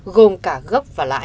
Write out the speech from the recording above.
gồm cả gốc và lãi